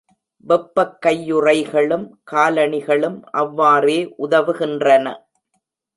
வெப்பக் கையுறைகளும், காலணிகளும் அவ்வாறே உதவுகின்றன.